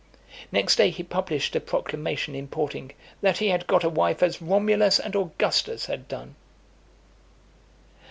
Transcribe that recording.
Next day he published a proclamation, importing, "That he had got a wife as Romulus and Augustus had done."